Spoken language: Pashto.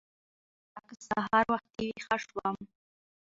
برعکس سهار وختي ويښه شوم.